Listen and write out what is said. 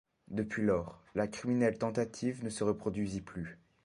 Depuis lors, la criminelle tentative ne se reproduisit plus.